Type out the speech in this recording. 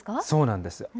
そうなんです。